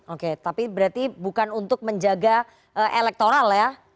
oke tapi berarti bukan untuk menjaga elektoral ya